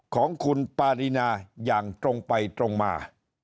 ของคุณปารีนาอย่างตรงไปตรงมา